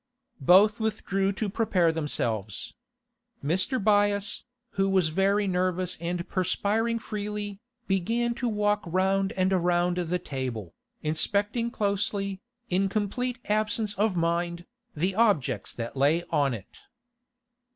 Both withdrew to prepare themselves. Mr. Byass, who was very nervous and perspiring freely, began to walk round and round the table, inspecting closely, in complete absence of mind, the objects that lay on it.